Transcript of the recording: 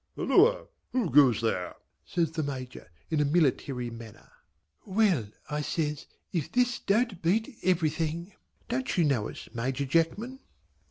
"Halloa! who goes there?" says the Major in a military manner. "Well!" I says, "if this don't beat everything! Don't you know us Major Jackman?"